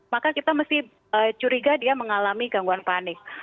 maka kita mesti curiga dia mengalami gangguan panik